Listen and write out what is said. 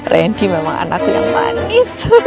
ranki memang anakku yang manis